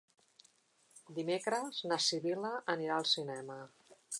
Dimecres na Sibil·la anirà al cinema.